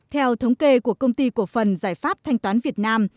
theo thống kê của công ty cổ phần giải pháp thanh toán việt nam